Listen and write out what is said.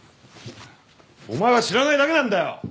お前は知らないだけなんだよ！